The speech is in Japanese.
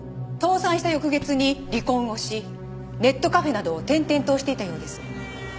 倒産した翌月に離婚をしネットカフェなどを転々としていたようです。